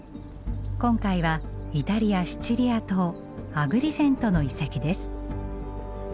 今回はイタリア・シチリア島アグリジェントの遺跡です。